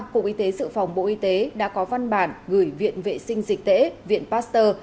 cục y tế dự phòng bộ y tế đã có văn bản gửi viện vệ sinh dịch tễ viện pasteur